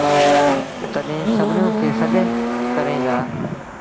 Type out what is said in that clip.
تڏهيݩ سڀنيوٚن کي سڏ ڪريݩ دآ